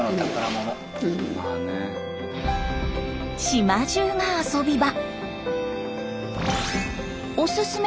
島じゅうが遊び場。